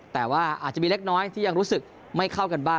แต่ว่าอาจจะมีเล็กน้อยที่ยังรู้สึกไม่เข้ากันบ้าง